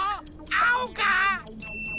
あおか？